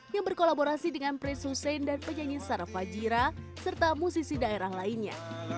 yang berkolaborasi dengan prince hussein dan penyanyi sara fajira serta musisi daerah lainnya